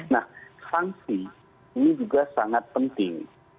nah sanksi ini juga sangat penting